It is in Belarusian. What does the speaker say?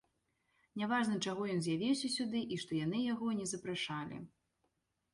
Няважна, чаго ён з'явіўся сюды і што яны яго не запрашалі.